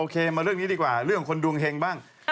โอเคมาเรื่องนี้ดีกว่าเรื่องคนดวงแฮงบ้าง